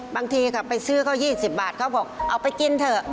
บางทีเขาไปซื้อเขา๒๐บาทเขาบอกเอาไปกินเถอะ